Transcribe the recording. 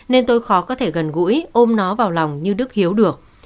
nên tôi khó có thể gần gũi ôm nó vào lòng như đức hiếu được